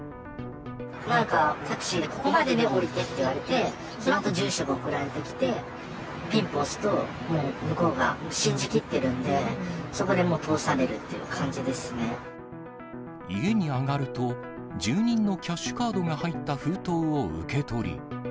なんかタクシーでここまでで降りてって言われて、そのあと住所が送られてきて、ピンポン押すと、向こうが信じ切ってるんで、そこでもう、通されるって感じで家に上がると、住人のキャッシュカードが入った封筒を受け取り。